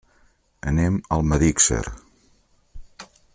Anem a Almedíxer.